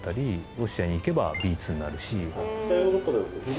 ロシアに行けばビーツになるし。